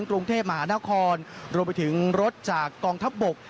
กรุงเทพมหานครรวมไปถึงรถจากกองทัพบก